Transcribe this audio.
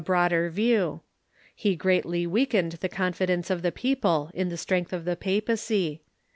^^ broader view. He greatly weakened the con Influence .°•' fidence of the people in the strength of the papacy.